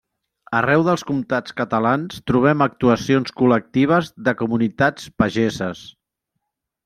Arreu dels comtats catalans trobem actuacions col·lectives de comunitats pageses.